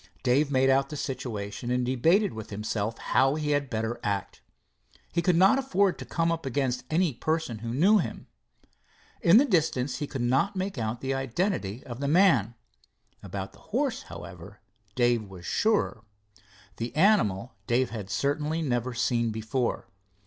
Dave made out the situation, and debated with himself how he had better act. He could not afford to come up against any person who knew him. In the distance he could not make out the identity of the man. About the horse, however, Dave was surer. The animal Dave had certainly never seen before.